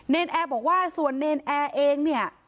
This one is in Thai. เนรแอบบอกว่าส่วนเนรแอเองเนี่ย